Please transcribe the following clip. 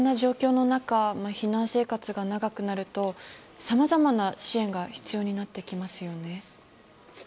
野中避難生活が長くなるとさまざまな支援が必要になってきますよね。